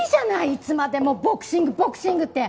いつまでもボクシングボクシングって。